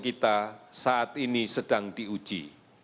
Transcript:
kita saat ini sedang diuji